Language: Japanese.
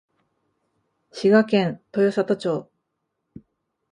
滋賀県豊郷町